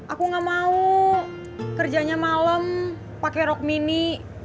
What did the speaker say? aku gak mau kerjanya malem pake rok mini